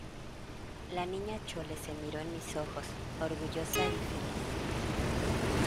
la Niña Chole se miró en mis ojos, orgullosa y feliz: